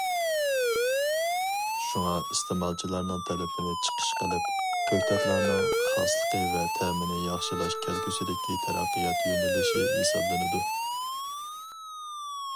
شۇڭا ئىستېمالچىلارنىڭ تەلىپىنى چىقىش قىلىپ، كۆكتاتلارنىڭ خاسلىقى ۋە تەمىنى ياخشىلاش كەلگۈسىدىكى تەرەققىيات يۆنىلىشى ھېسابلىنىدۇ.